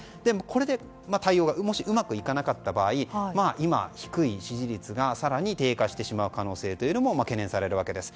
これで対応がもしうまくいかなかった場合今、低い支持率が更に低下してしまう可能性も懸念されるわけです。